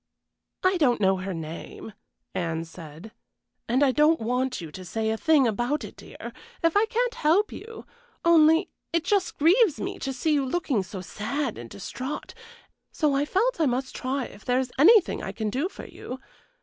"I don't know her name," Anne said, "and I don't want you to say a thing about it, dear, if I can't help you; only it just grieves me to see you looking so sad and distrait, so I felt I must try if there is anything I can do for you.